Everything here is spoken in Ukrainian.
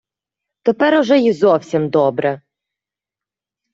Тепер уже й зовсім добре...